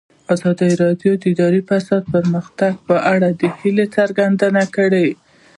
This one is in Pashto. ازادي راډیو د اداري فساد د پرمختګ په اړه هیله څرګنده کړې.